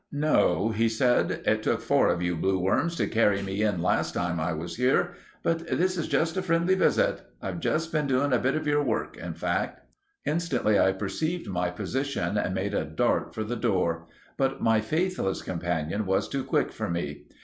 "No," he said. "It took four of you blue worms to carry me in last time I was here; but this is just a friendly visit. I've been doing a bit of your work, in fact." Instantly I perceived my position and made a dart for the door; but my faithless companion was too quick for me.